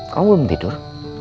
kamu belum tidur